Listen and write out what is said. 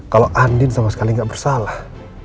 kalau andin sama sekali nggak bersalah